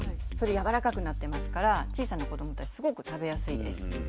それ柔らかくなってますから小さな子どもたちすごく食べやすいです。